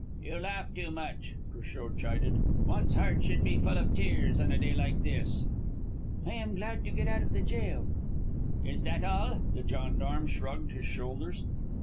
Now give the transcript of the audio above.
"You laugh too much," Cruchot chided. "One's heart should be full of tears on a day like this." "I am glad to get out of the jail." "Is that all?" The gendarme shrugged his shoulders.